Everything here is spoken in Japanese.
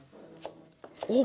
おっ！